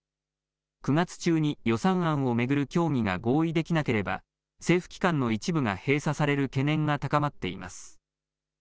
９月中に予算案を巡る協議が合意できなければ政府機関の一部が閉鎖される懸念が高まっています。